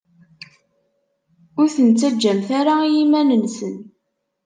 Ur ten-ttajjamt i yiman-nsen.